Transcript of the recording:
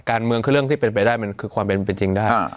การเมืองคือเรื่องที่เป็นไปได้มันคือความเป็นจริงได้